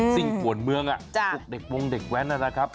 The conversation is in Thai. สิ่งป่วนเมืองพวกเด็กวงเด็กแว้นนะครับ